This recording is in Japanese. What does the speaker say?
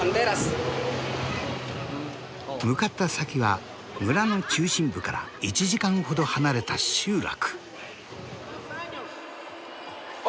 向かった先は村の中心部から１時間ほど離れた集落。